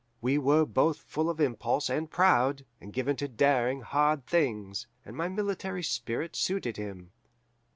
We were both full of impulse and proud, and given to daring hard things, and my military spirit suited him.